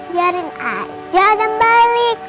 biarin aja dan balik